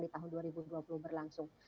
di tahun dua ribu dua puluh berlangsung